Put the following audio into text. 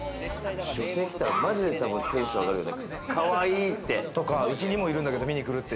女性きたら、マジでテンション上がるよね。